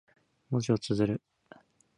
文字を綴る。